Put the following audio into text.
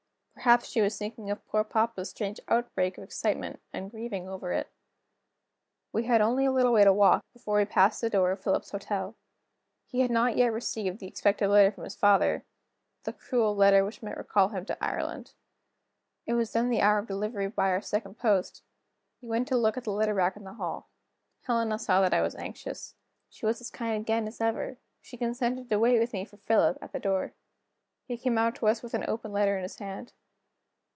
Perhaps she was thinking of poor papa's strange outbreak of excitement, and grieving over it. We had only a little way to walk, before we passed the door of Philip's hotel. He had not yet received the expected letter from his father the cruel letter which might recall him to Ireland. It was then the hour of delivery by our second post; he went to look at the letter rack in the hall. Helena saw that I was anxious. She was as kind again as ever; she consented to wait with me for Philip, at the door. He came out to us with an open letter in his hand.